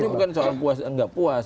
itu bukan soal puas atau nggak puas